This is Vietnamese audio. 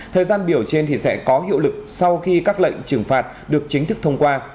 thời gian biểu trên thì sẽ có hiệu lực sau khi các lệnh trừng phạt được chính thức thông qua